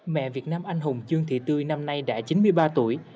mẹ việt nam anh hùng trương thị tươi năm nay đã chín mươi ba tuổi